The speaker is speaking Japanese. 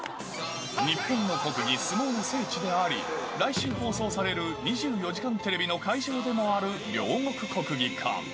日本の国技、相撲の聖地であり、来週放送される２４時間テレビの会場でもある両国国技館。